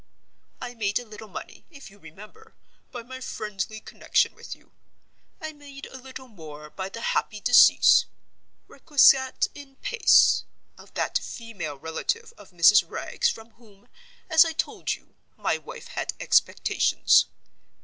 I made a little money (if you remember) by my friendly connection with you. I made a little more by the happy decease (Requiescat in Pace!) of that female relative of Mrs. Wragge's from whom, as I told you, my wife had expectations.